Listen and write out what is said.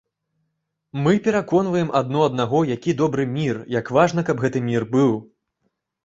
Мы пераконваем адно аднаго, які добры мір, як важна, каб гэты мір быў.